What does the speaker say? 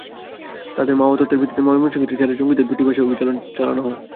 তাদের দেওয়া তথ্যের ভিত্তিতে ময়নসিংহের ত্রিশালের জঙ্গিদের দুটি বাসায় অভিযান চালানো হয়।